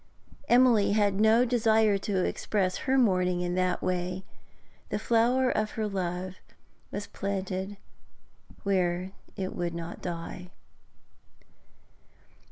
Emily had no desire to express her mourning in that way; the flower of her love was planted where it would not die.